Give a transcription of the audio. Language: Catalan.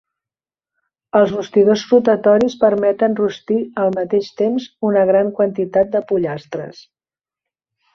Els rostidors rotatoris permeten rostir al mateix temps una gran quantitat de pollastres.